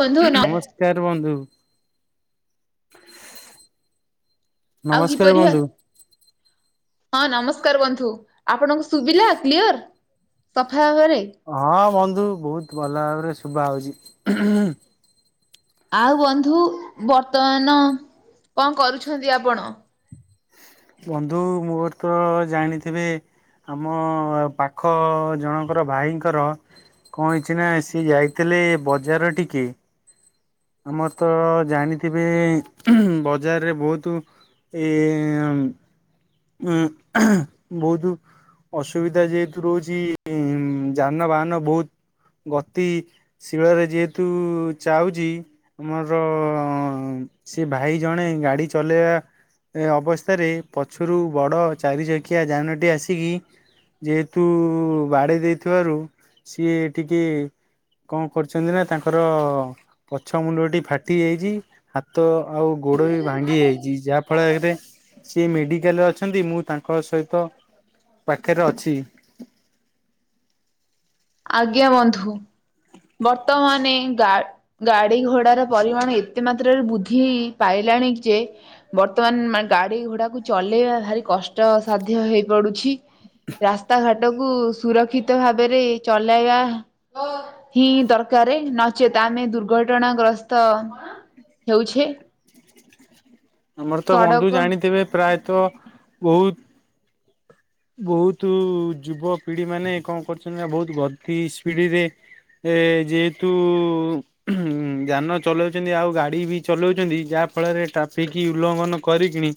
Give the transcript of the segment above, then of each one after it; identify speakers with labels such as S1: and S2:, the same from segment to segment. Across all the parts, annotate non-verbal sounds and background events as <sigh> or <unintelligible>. S1: ବନ୍ଧୁ ନ
S2: ନମସ୍କାର ବନ୍ଧୁ
S1: ଆଉ
S2: ନମସ୍କାର
S1: କିପରିି ଭା
S2: ବନ୍ଧୁ।
S1: ହଁ ନମସ୍କାର ବନ୍ଧୁ ଆପଣଙ୍କୁ ଶୁଭିଲା କ୍ଲିଅର ସଫା ଭାବରେ?
S2: ହଁ ବନ୍ଧୁ ବହୁତ ଭଲ ଭାବରେ ଶୁବା ହଉଛି।
S1: ଆଉ ବନ୍ଧୁ ବର୍ତ୍ତମାନ କଣ କରୁଛନ୍ତି ଆପଣ?
S2: ବନ୍ଧୁ ମୋର ତ ଜାଣିଥିବେ ଆମ ପାଖ ଜଣଙ୍କର ଭାଇଙ୍କର କଣ ହେଇଛି ନା ସିଏ ଯାଇଥିଲେ ବଜାର ଟିକେ ଆମର ତ ଜାଣିଥିବେ ବଜାରରେ ବହୁତୁ ଏ ଉଁ। ଉଁ ବହୁତୁ ଅସୁବିଧା ଯେହେତୁ ରହୁଛି ଉଁ ଯାନବାହାନ ବହୁତ ଗତି ଶୀଳ ରେ ଯେହେତୁ ଯାଉଚି ଆମର ସେ ଭାଇ ଜଣେ ଗାଡି ଚଲେଇବା ଏ ଅବସ୍ଥାରେ ପଛରୁ ବଡ଼ ଚାରି ଚକିଆ ଯାନଟି ଆସିକି ଯେହେତୁ ବାଡ଼େଇ ଦେଇଥିବାରୁ ସିଏ ଟିକିଏ କଣ କରିଛନ୍ତି ନା ତାଙ୍କର ପଛ ମୂଣ୍ଡଟି ଫାଟିଯାଇଛି। ହାତ ଆଉ ଗୋଡ ବି ଭାଙ୍ଗି ଯାଇଛି ଯାହା ଫଳରେ ସେ ମେଡିକାଲରେ ଅଛନ୍ତି ମୁଁ ତା ଙ୍କ ସହିତ ପାଖରେ ଅଛି।
S1: ଆଜ୍ଞା ବନ୍ଧୁ ବର୍ତ୍ତମାନେ ଗା ଗାଡି ଘୋଡାର ପରିମାଣ ଏତେ ମାତ୍ରାରେ ବୁଦ୍ଧି ପାଇଲାଣି ଯେ ବର୍ତ୍ତମାନ ମା ଗାଡି ଘୋଡାକୁ ଚଲେଇବା ଭାରି କଷ୍ଟ। ଷ୍ଟ ସାଧ୍ୟ ହେଇ ପଡୁଛି ରାସ୍ତାଘାଟ କୁ ସୁରକ୍ଷିତ ଭାବରେ ଚଲେଇବା ହିଁ ଦରକାରେ ନଚେତ ଆମେ ଦୁର୍ଘଟଣା ଗ୍ରସ୍ତ ହେଉଛି।
S2: ଆମର ତ ବନ୍ଧୁ
S1: ସଡ଼କ
S2: ଜାଣିଥିବେ ପ୍ରାୟତଃ ବହୁତ। ବହୁତୁ ଯୁବପିଢି ମାନେ କଣ କରୁଛନ୍ତି ନା ବହୁତ ଗତି ସ୍ପିଡି ରେ ଏ ଯେହେତୁ ଯାନ ଚଲାଉଛନ୍ତି ଆଉ ଗାଡି ବି ଚଲାଉଛନ୍ତି ଯାହା ଫଳରେ ଏଟା ସେ କି ଉଲ୍ଲଂଘନ କରିକିଣି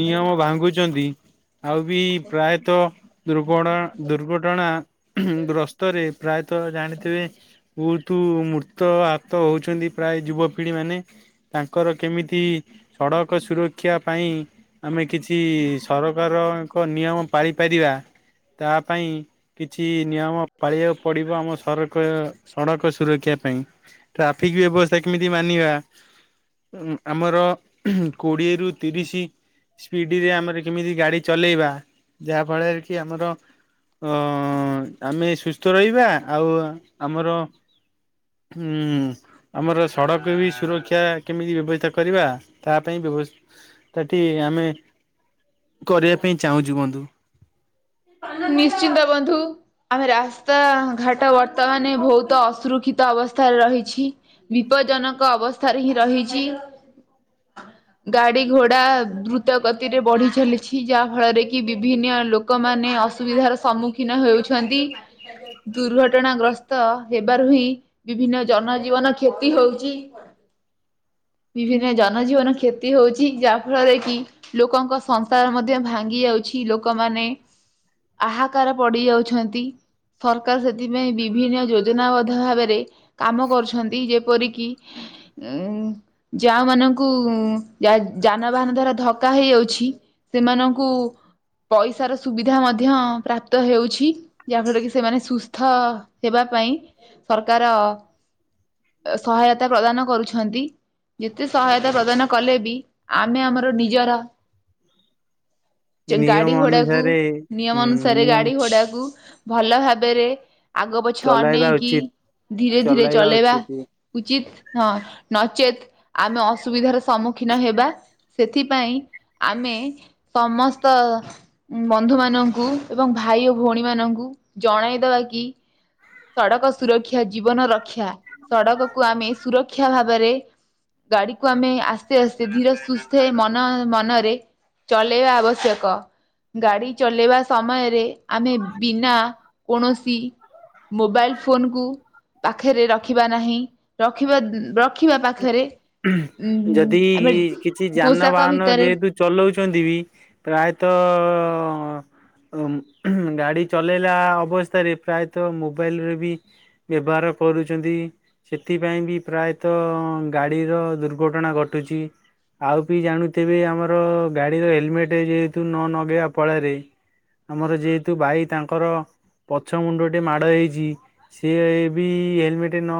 S2: ନିୟମ ଭାଙ୍ଗୁଛନ୍ତି। ଆଉ ବି ପ୍ରାୟତଃ ଦୁର୍ଘଣା ଦୁର୍ଘଟଣା ଗ୍ରସ୍ତରେ ପ୍ରାୟତଃ ଜାଣିଥିବେ। ବହୁତୁ ମୃତ ଆହାତ ହଉଛନ୍ତି ପ୍ରାୟ ଯୁବପିଢି ମାନେ। ତାଙ୍କର କେମିତି ସଡ଼କ ସୁରକ୍ଷା ପାଇଁ ଆମେ କିଛି ସରକାରଙ୍କ ନିୟମ ପାଳିପାରିବା ତାହା ପାଇଁ କିଛି ନିୟମ ପାଳିବାକୁ ପଡିବ ଆମ ସରକ ସଡ଼କ ସୁରକ୍ଷା ପାଇଁ। ଟ୍ରାଫିକ ବ୍ୟବସ୍ଥା କେମିତି ମାନିବା ଉଁ ଆମର କୋଡ଼ିଏ ରୁ ତିରିଶି ସ୍ପିଡି ରେ ଆମର କେମିତି ଗାଡି ଚଲେଇବା। ଯାହା ଫଳରେ କି ଆମର ଅ ଆମେ ସୁସ୍ଥ ରହିବା। ଆଉ ଆମର ହୁଁ ଆମର ସଡ଼କ ବି ସୁରକ୍ଷା କେମିତି ବ୍ୟବସ୍ଥା କରିବା। ତା ପାଇଁ ବ୍ୟବସ୍ଥାଟି ଆମେ କରିବା ପାଇଁ ଚାହୁଁଛୁ ବନ୍ଧୁ।
S1: ନିଶ୍ଚିନ୍ତ ବନ୍ଧୁ। ଆଉଫେର ରାସ୍ତା ଘାଟ ବର୍ତ୍ତମାନ ବହୁତ ଅସୁରୁକ୍ଷିତ ଅବସ୍ଥାରେ ରହିଛି। ବିପଦଜନକ ଅବସ୍ଥାରେ ହିଁ ରହିଛି।
S2: <inaudible>
S1: ଗାଡି ଘୋଡା ଦ୍ରୁତ ଗତିରେ ବଢି ଚାଲିଛି। ଯାହା ଫଳରେ କି ବିଭିନ୍ନ ଲୋକ କମାନେ ଅସୁବିଧାର ସମ୍ମୁଖୀନ ହେଉଛନ୍ତି। ଦୁର୍ଘଟଣ ଗ୍ରସ୍ତ ହେବାରୁ ହିଁ ବିଭିନ୍ନ ଜନଜୀବନ କ୍ଷତି ହଉଛି। ବିଭିନ୍ନ ଜନଜୀବନ କ୍ଷତି ହଉଛି। ଯାହା ଫଳରେ କି ଲୋକଙ୍କ ସଂସାର ମଧ୍ୟ ଭାଙ୍ଗି ଯାଉଛି। ଲୋକମାନେ ଆହାକାର ପଡି ଯାଉଛନ୍ତି ସରକାର ସେଥିପାଇଁ ବିଭିନ୍ନ ଯୋଜନାବଦ୍ଧ ଭାବରେ କାମ କରୁଛନ୍ତି। ଯେପରିକି ଉଁ ଯାଆ ମାନଙ୍କୁ ଯ ଯାନବାହାନ ଦଵାରା ଧକ୍କା ହେଇଯାଉଛି। ସେମାନଙ୍କୁ ପଇସାର ସୁବିଧା ମଧ୍ୟ ପ୍ରାପ୍ତ ହେଉଛି। ଯାହାଫଳରେ କି ସେମାନେ ସୁସ୍ଥ ହେବା ପାଇଁ। ସରକାର ସହାୟତା ପ୍ରଦାନ କରୁଛନ୍ତି। ଯେତେ ସହାୟତା ପ୍ରଦାନ କଲେ ବି ଆମେ ଆମର ନିଜର ଗାଡି
S2: ନିୟମ
S1: ଘୋଡାକୁ
S2: ଅନୁସାରେ
S1: ନିୟମ
S2: ଉଁ
S1: ଅନୁସାରେ
S2: ନିୟମ
S1: ଗାଡି ଘୋଡାକୁ ଭଲ ଭାବରେ ଆଗ ପଛ
S2: ଚଲାଇବା
S1: ଅନେଇକି
S2: ଉଚିତ
S1: ଧୀରେ ଧୀରେ
S2: ଚଲାଇବା
S1: ଚଲେଇବା।
S2: ଉଚିତ।
S1: ଉଚିତ ହଁ ନଚେତ୍ ଆମେ ଅସୁବିଧାର ସମ୍ ସମ୍ମୁଖୀନ ହେବା। ସେଥିପାଇଁ ଆମେ ସମସ୍ତ ବନ୍ଧୁମାନଙ୍କୁ ଏବଂ ଭାଇ ଓ ଭଉଣୀମାନଙ୍କୁ ଜଣାଇଦବା କି ସଡ଼କ ସୁରକ୍ଷା ଜୀବନ ରକ୍ଷା ସଡ଼କ କୁ ଆମେ ସୁରକ୍ଷା କ୍ଷା ଭାବରେ ଗାଡିକୁ ଆମେ ଆସ୍ତେ ଆସ୍ତେ ଧୀର ସୁସ୍ଥେ ମନ ନ ମନରେ ଚଲେଇବା ଆବଶ୍ୟକ। ଗାଡ଼ି ଚଲେଇବା ସମୟରେ ଆମେ ବିନା କୌଣସି ମୋବାଇଲ ଫୋନକୁ ପାଖରେ ରଖିବା ନାହିଁ ରଖିବା <unintelligible> ରଖିବା ପାଖରେ ଉ
S2: ଯଦି
S1: ଆମେ ପୋଷାକ ଭିତରେ
S2: ଚଲାଉଛନ୍ତି ବି ପ୍ରାୟତଃ- ଉ ଗାଡି ଚଲେଇଲା ଅବସ୍ଥାରେ ପ୍ରାୟତଃ ମୋବାଇଲ ରେ ବି ବ୍ୟବହାର କରୁଛନ୍ତି ସେଥିପାଇଁ ବି ପ୍ରାୟତ୍ ତ ଗାଡିର ଦୁର୍ଘଟଣା ଘଟୁଛି। ଆଉ ବି ଜାଣୁଥିବେ ଆମର ଗାଡିର ହେଲମେଟ ଯେହେତୁ ନ ନଗେଇବା ପଳାରେ- ଆମର ଯେହେତୁ ଭାଇ ତାଙ୍କର ପଛ ମୁଣ୍ଡଟି ମାଡ ହେଇଛି- ସିଏ ବି ହେଲମେଟ ନ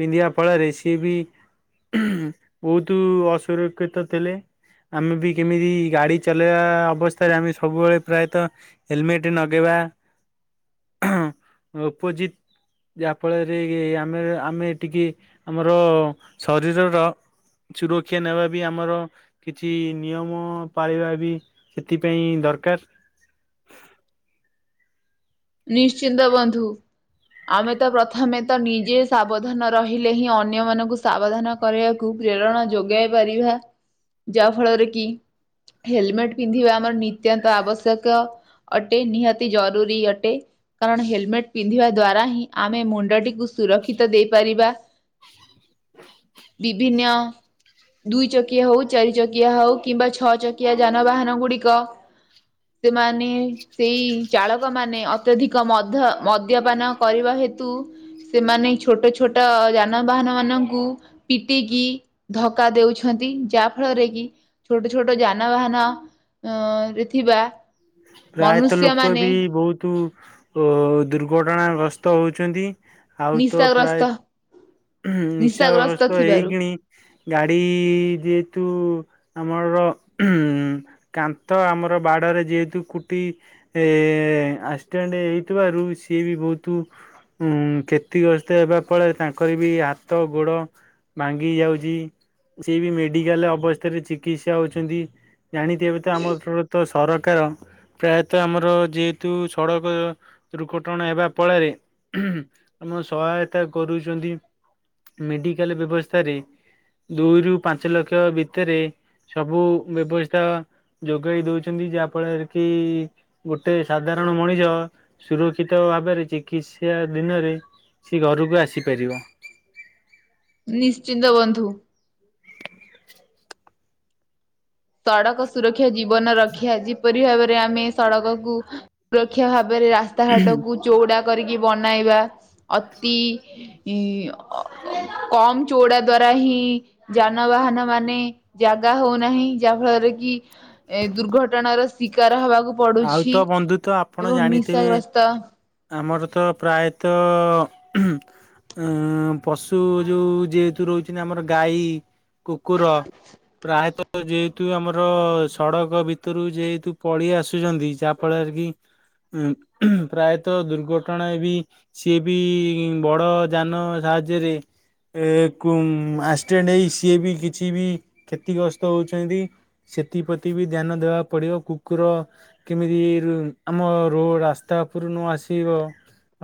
S2: ପିନ୍ଧିବା ଫଳରେ ସିଏ ବି <unintelligible> ବହୁତ ଅସୁରକ୍ଷିତ ଥିଲେ। ଆମେ ବି କେମିତି ଗାଡ଼ି ଚଲେଇବା ଅବସ୍ଥାରେ ଆମେ ସବୁବେଳେ ପ୍ରାୟତଃ ହେଲମେଟ ନଗେଇବା- ଅପୋଜିିତ ଯାହାଫଳରେ ଆମେ ଆମେ ଟିକେ ଆମର ଶରୀରର ସୁରକ୍ଷା ନେବା ବି ଆମର କିଛି ନିୟମ ପାଳିବା ବି ସେଥିପାଇଁ ଦରକାର।
S1: ନିଶ୍ଚିନ୍ତ ବନ୍ଧୁ। ଆମେ ତ ପ୍ରଥମେ ତ ନିଜେ ସାବଧାନ ରହିଲେ ହିଁ ଅନ୍ୟ ମାନଙ୍କୁ ସାବଧାନ- କରିବାକୁ ପ୍ରେରଣା ଯୋଗାଇ ପାରିବା ଯାହା ଫଳରେ କି- ହେଲମେଟ୍ ପିନ୍ଧିବା ଆମର ନିତ୍ୟାନ୍ତ ଆବଶ୍ୟକ ଅଟେ ନିହାତି ଜରୁରୀ ଅଟ ଟେ କାରଣ ହେଲମେଟ ପିନ୍ଧିବା ଦ୍ଵାରା ହିଁ ଆମେ ମୁଣ୍ଡଟିକୁ ସୁରକ୍ଷିତ ଦେଇପାରିବା।
S2: <unintelligible>
S1: ବିଭିନ୍ନ- ଦୁଇ ଚକିଆ ହଉ ଚାରି ଚକିଆ ହଉ କିମ୍ବା ଛଅ ଚକିଆ ଯାନବାହାନ ଗୁଡ଼ିକ- ସେମାନେ ସେଇ ଚାଳକ ମାନେ ଅ ଅତ୍ୟଧିକ ମଧ ମଦ୍ୟପାନ କରିବା ହେତୁ- ସେମାନେ ଛୋଟ ଛୋଟ ଯାନବାହାନ ମାନଙ୍କୁ- ପିଟିକି ଧକ୍କା ଦେଉଛନ୍ତି ଯାଆ ଫଳରେ କି- ଛୋଟ ଛୋଟ ଯାନବାହାନ ଅ ରେ ଥିବା-
S2: ପ୍ରାୟତଃ ଲୋକ
S1: ମନୁଷ୍ୟମାନେ
S2: ବି ବହୁତୁ- ଓ ଦୁର୍ଘଟଣାଗ୍ରସ୍ତ ହଉଛନ୍ତି। ଆଉ ତ
S1: ନିଶାଗ୍ରସ୍ତ
S2: ପ୍ରାୟ ର୍ହୁ
S1: ନିଶାଗ୍ରସ୍ତ
S2: ନିଶାବସ୍ତ
S1: ଥିବାରୁ
S2: ହେଇକିଣି- ଗାଡ଼ି ଯେହେତୁ ଆମର ହୁ ଉ କାନ୍ଥ ଆମର ବାଡରେ ଯେହେ- ତୁ କୁଟି ଏ ଆକ୍ସିଡେଣ୍ଟ ହେଇଥିବାରୁ ସିଏ ବି ବହୁତୁ। ଉଁ କ୍ଷତିଗ୍ରସ୍ତ ହେବା ଫଳରେ ତାଙ୍କର ବି ହାତ ଗୋଡ। ଭାଙ୍ଗି ଯାଉଛି ସେ ବି ମେଡିକାଲ ଅବସ୍ଥାରେ ଚିକିତ୍ସା ହଉଛନ୍ତି। ଜାଣିଥିବେ ହୁଏ ତ ଆମ ଏପଟେ ତ ସରକାର। ପ୍ରାୟତଃ ଆମର ଯେହେତୁ ସଡ଼କ ଦୁର୍ଘଟଣା ହେବା ପ ଳରେ। ଆମ ସହାୟତା କରୁଛନ୍ତି ମେଡିକାଲ ବ୍ୟବସ୍ଥାରେ। ଦୁଇରୁ ପାଞ୍ଚ ଲକ୍ଷ ଭିତରେ। ସବୁ ବ୍ୟବସ୍ଥା ଯୋଗେଇ ଦଉଛନ୍ତି ଯାହା ଫଳରେ କି ଗୋଟେ ସାଧାରଣ ମଣିଷ। ସୁରକ୍ଷିତ ଭାବରେ ଚିକିତ୍ସା ଧୀନ ରେ ସେ ଘରକୁ ଆସିପାରିବ।
S1: ନିଶ୍ଚିନ୍ତ ବନ୍ଧୁ। ସଡ଼କ ସୁରକ୍ଷା ଜୀବନ ରକ୍ଷା ଆଜି କିପରି ଭାବରେ ଆମେ ସଡ଼କକୁ ସୁରକ୍ଷା ଭାବରେ ରାସ୍ତାଘାଟକୁ ଚଉଡ଼ା କରିକି ବନାଇବା ଅତି। ଇ ଅ କମ ଚଉଡା ଦ୍ଵାରା ହିଁ। ଯାନବାହାନ ମାନେ ଜାଗା ହଉନାହିଁ। ଯାହା ଫଳରେ କି ଏ ଦୁର୍ଘଟଣାର ଶିକାର ହବାକୁ
S2: ଆଉ ତ
S1: ପଡୁଛି
S2: ବନ୍ଧୁ ତ ଆପଣ
S1: ଏବଂ
S2: ଜାଣିଥିବେ
S1: ନିଶାଗ୍ରସ୍ତ।
S2: ଆମର ତ ପ୍ରାୟତଃ। ଅ ପଶୁ ଯେଉଁ ଯେହେତୁ ରହୁଛନ୍ତି ଆମର ଗାଈ। କୁକୁର ପ୍ରାୟତଃ ଯେହେତୁ ଆମର ସଡକ ଭିତରୁ ଯେହେତୁ ପଳି ଆସୁଛନ୍ତି ଯାହାଫଳରେ କି। ଉଁ ପ୍ରାୟତଃ ଦୁର୍ଘଟଣା ବି। ସିଏ ବି ବଡ଼ ଯାନ ସାହାଯ୍ୟରେ। ଏ କୁ ଉଁ ଆକ୍ସିଡେଣ୍ଟ ହେଇ ସିଏ ବି କିଛି ବି କ୍ଷତିଗ୍ରସ୍ତ ହଉଛନ୍ତି। ସେଥିପ୍ରତି ବି ଧ୍ୟାନ ଦେବାକୁ ପଡିବ କୁକୁର, କେମିତି ରୁ ଆମ ରୋଡ଼ ରାସ୍ତା ଉପରୁ ନ ଆସିବ।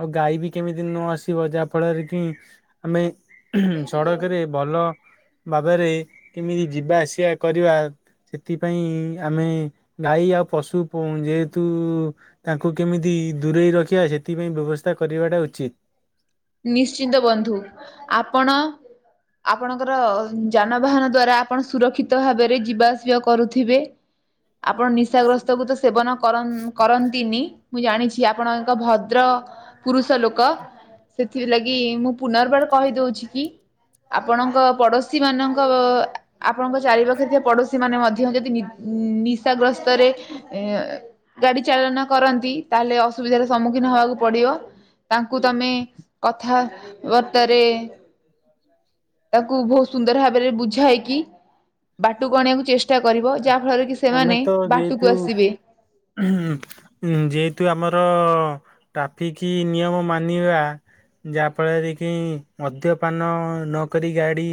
S2: ଆଉ ଗାଈ ବି କେମିତି ନ ଆସିବ ଯାହା ଫଳରେ କି ଆମେ। ସଡ଼କରେ ଭଲ ଭାବରେ କେମିତି ଯିବା ଆସିବା କରିବା। ସେଥିପାଇଁ ଆମେ ଗାଈ ଆଉ ପଶୁ। ଯେହେତୁ! ତାଙ୍କୁ କେମିତି ଦୂରେଇ ରଖିବା ସେଥିପାଇଁ ବ୍ୟବସ୍ଥା କରିବାଟା ଉଚିତ୍
S1: ନିଶ୍ଚିନ୍ତ ବନ୍ଧୁ ଆପଣ। ଆପଣଙ୍କର ଯାନବାହାନ ଦ୍ଵାରା ଆପଣ ସୁରକ୍ଷିତ ଭାବରେ ଯିବା ଆସିବା କରୁଥିବେ। ଆପଣ ନିଶାଗ୍ରସ୍ତ କୁ ତ ସେବନ କରନ କରନ୍ତିନି। ମୁଁ ଜାଣିଛି ଆପଣ ଏକ ଭଦ୍ର ପୁରୁଷ ଲୋକ। ସେଥି ଲାଗି ମୁଁ ପୁନର୍ବାର କହି ଦଉଛି କି। ଆପଣଙ୍କ ପଡୋଶୀ ମାନଙ୍କ ଆପଣଙ୍କ ଚାରିପାଖରେ ଥିବା ପଡୋଶୀ ମାନେ ମଧ୍ୟ ଯଦି ନି ନିଶାଗ୍ରସ୍ତରେ ଏ ଗାଡି ଚାଳନା କରନ୍ତି ତାହେଲେ ଅସୁବିଧାର ସମ୍ମୁଖୀନ ହବାକୁ ପଡିବ। ତାଙ୍କୁ ତମେ କଥା ବାର୍ତାରେ। ତାଙ୍କୁ ବହୁତ ସୁନ୍ଦର ଭାବରେ ବୁଝାଇକି ବାଟକୁ ଆଣିବାକୁ ଚେଷ୍ଟା କରିବ ଯାହା ଫଳରେ କି ସେମାନେ ବାଟକୁ ଆସିବେ।
S2: ଉ ହୁଁ। ଯେହେତୁ ଆମର ଟ୍ରାଫିକ୍ ନିୟମ ମାନିବା। ଯାହାଫଳରେ କି ମଦ୍ୟପାନ ନ କରି ଗାଡି।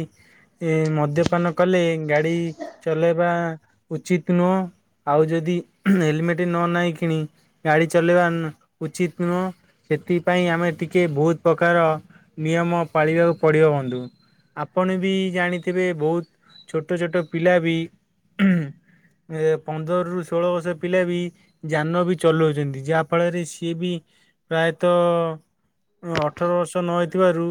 S2: ଏ ମଦ୍ୟପାନ କଲେ ଗାଡି ଚଲେଇବା ଉଚିତ ନୁହଁ। ଆଉ ଯଦି ହେଲମେଟ ନ ନାହିଁ କିଣି। ଗାଡି ଚଲେଇବା ଉ ଉଚିତ ନୁହଁ ସେଥିପାଇଁ ଆମେ ଟିକେ ବହୁତ ପ୍ରକାର। ନିୟମ ପାଳିବାକୁ ପଡିବ ବନ୍ଧୁ। ଆପଣ ବି ଜାଣିଥିବେ ବହୁତ ଛୋଟ ଛୋଟ ପିଲା ବି ଉ ହୁଁ। ଏ ପନ୍ଦର ରୁୁ ଷୋଳ ବର୍ଷ ପିଲା ବି ଯାନ ବି ଚଲଉଛନ୍ତି ଯାହାଫଳରେ ସିଏ ବି ପ୍ରାୟତଃ ଅଠର ବର୍ଷ ନ ହେଇଥିବାରୁ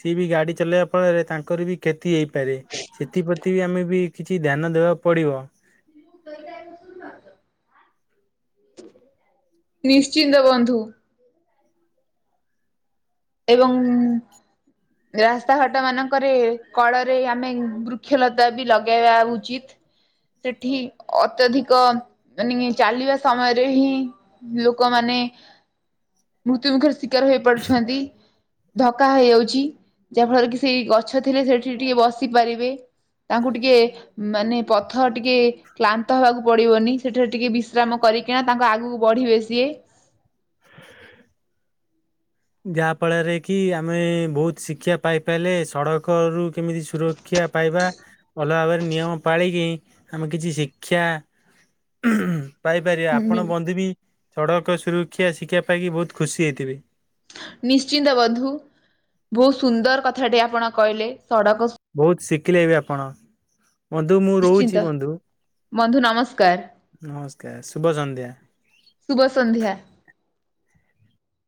S2: ସିଏ ବି ଗାଡି ଚଲେଇବା ଫଳରେ ତାଙ୍କର ବି କ୍ଷତି ହେଇପାରେ। ସେଥିପ୍ରତି ବି ଆମେ ବି କିଛି ଧ୍ୟାନ ଦେବା ପଡିବ।
S1: <inaudible> ନିଶ୍ଚିନ୍ତ ବନ୍ଧୁ। ଏବଂ ରାସ୍ତାଘାଟ ମାନଙ୍କରେ କଳରେ ଆମେ ବୃକ୍ଷଲତା ବି ଲଗେଇବା ଉଚିତ। ସେଠି ଅତ୍ୟଧିକ ମାନେ ଚାଲିବା ସମୟରେ ହିଁ ଲୋକମାନେ ମୃତ୍ୟୁ ମୁୁଖରେ ଶିକାର ହେଇପାରୁଛନ୍ତି। ଧକ୍କା ହେଇଯାଉଛି ଯାହା ଫଳରେ କି ସେଇ ଗଛ ଥିଲେ ସେଠି ଟିକେ ବସି ପାରିବେ। ତାଙ୍କୁ ଟିକେ ମାନେ ପଥର ଟିକେ କ୍ଳାନ୍ତ ହେବାକୁ ପଡିବନି ସେଠାରେ ଟିକେ ବିଶ୍ରାମ କରିକିନା ତାଙ୍କ ଆଗକୁ ବଢିବେ ସିଏ।
S2: ଯାହା ଫଳରେ କି ଆମେ ବହୁତ୍ ଶିକ୍ଷା ପାଇପାରିଲେ ସଡ଼କ ରୁ କେମିତି ସୁର ଶିକ୍ଷା ପାଇବା ଭଲ ଭାବରେ ନିୟମ ପାଳିକି ଆମେ କିଛି ଶିକ୍ଷା ଉହୁଁ ପାଇପାରିବେ ଆପଣ ବନ୍ଧୁ ବି ସଡ଼କ ସୁରକ୍ଷା ଶିକ୍ଷା ପାଇକି ବହୁତ ଖୁସି ହେଇଥିବେ।
S1: ନିଶ୍ଚିନ୍ତ ବନ୍ଧୁ ବହୁତ ସୁନ୍ଦର କଥାଟି ଆପଣ କହିଲେ ସଡ଼କ
S2: ବହୁତ ଶିଖିଲେ ବି ଆପଣ। ବନ୍ଧୁ ମୁଁ
S1: ନିଶ୍ଚିନ୍ତ
S2: ରହୁଛି ବନ୍ଧୁ
S1: ବନ୍ଧୁ ନମସ୍କାର
S2: ନମସ୍କାର ଶୁଭ ସନ୍ଧ୍ୟା।
S1: ଶୁଭ ସନ୍ଧ୍ୟା।